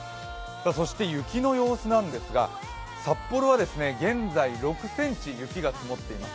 雪の様子なんですが札幌は現在６ｃｍ、雪が積もっています。